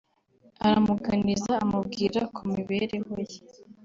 aramuganiriza amubwira ku mibereho ye